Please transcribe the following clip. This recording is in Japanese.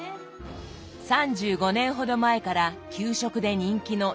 ３５年ほど前から給食で人気の津ぎょうざ。